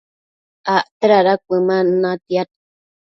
acte dada cuëman natiad